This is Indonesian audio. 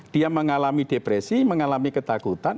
dia mengalami depresi mengalami ketakutan